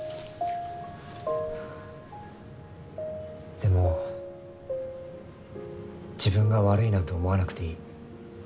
でも自分が悪いなんて思わなくていい。